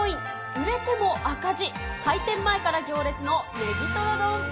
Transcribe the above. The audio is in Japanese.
売れても赤字、開店前から行列のネギトロ丼。